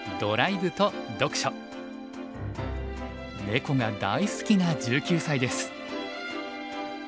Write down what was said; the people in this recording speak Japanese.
ネコが大好きな１９歳です。